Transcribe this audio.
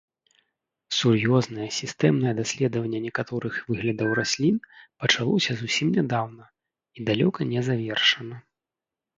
Сур'ёзнае, сістэмнае даследаванне некаторых выглядаў раслін пачалося зусім нядаўна і далёка не завершана.